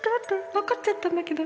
分かっちゃったんだけど。